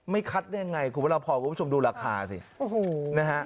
คัดได้ยังไงคุณพระราพรคุณผู้ชมดูราคาสิโอ้โหนะฮะ